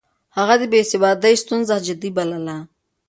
هغه د بې سوادۍ ستونزه جدي بلله.